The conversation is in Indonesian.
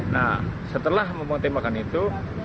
nah setelah membuat tembakan itu